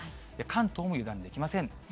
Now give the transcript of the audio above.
関東も油断できません。